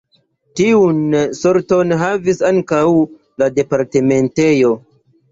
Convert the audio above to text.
Tiun sorton havis ankaŭ la departementejo.